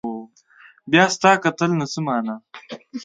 بيا ستا کتل نو څه معنا